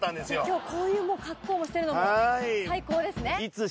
今日こういう格好もしてるのも最高ですね。